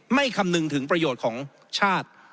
คำนึงถึงประโยชน์ของชาติ